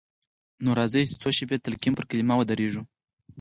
نو راځئ چې څو شېبې د تلقين پر کلمه تم شو.